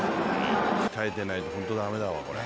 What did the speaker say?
鍛えてないとホント駄目だわ、これは。